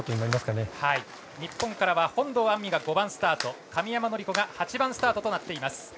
日本からは本堂杏実が５番スタート神山則子が８番スタートとなっています。